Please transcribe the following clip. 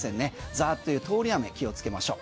ざっと降る通り雨に気をつけましょう。